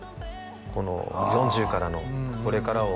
「この４０からのこれからを」